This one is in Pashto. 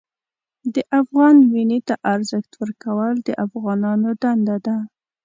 د افغان وینې ته ارزښت ورکول د افغانانو دنده ده.